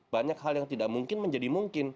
banyak hal yang tidak mungkin menjadi mungkin